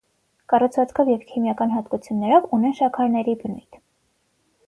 Կառուցվածքով և քիմիական հատկություններով ունեն շաքարների բնույթ։